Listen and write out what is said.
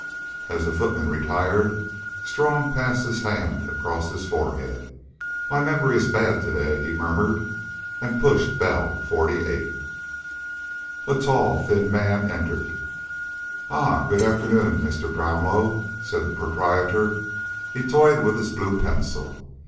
As the footman retired, Strong passed his hand across his forehead. "My memory is bad to day," he murmured, and pushed bell "48." A tall, thin man entered. "Ah, good afternoon, Mr. Brownlow," said the Proprietor. He toyed with his blue pencil.